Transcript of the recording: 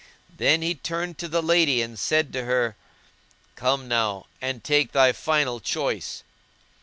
Then he turned to the lady and said to her, "Come now and take thy final choice!"